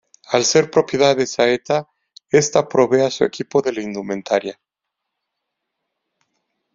Al ser propiedad de Saeta, esta provee a su equipo de la indumentaria.